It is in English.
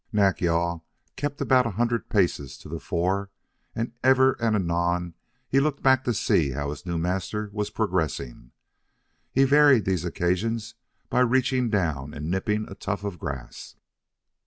Nack yal kept about a hundred paces to the fore and ever and anon he looked back to see how his new master was progressing. He varied these occasions by reaching down and nipping a tuft of grass.